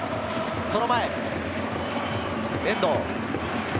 その前、遠藤。